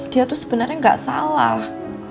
dia tuh sebenarnya nggak salah